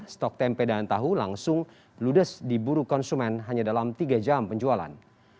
stok tempe dan tahu langsung ludes di buru konsumen hanya dalam tiga jam penjualan